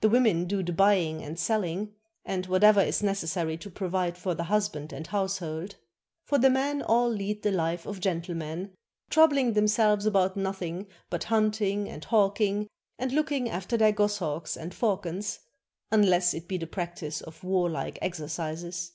The women do the buying and selling, and whatever is necessary to provide for the husband and household; for the men all lead the life of gentlemen, troubfing themselves about nothing but hunting and hawking and looking after their goshawks and falcons, unless it be the practice of warHke exercises.